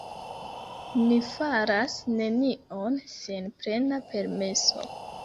Ni faras nenion sen plena permeso.